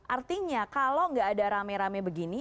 artinya kalau nggak ada rame rame begini